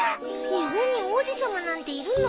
日本に王子様なんているの？